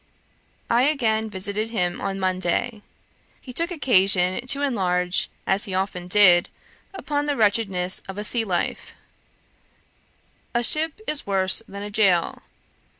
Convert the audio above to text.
I again visited him on Monday. He took occasion to enlarge, as he often did, upon the wretchedness of a sea life. 'A ship is worse than a gaol.